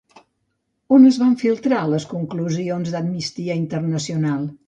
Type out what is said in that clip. On es van filtrar les conclusions d'Amnistia Internacional?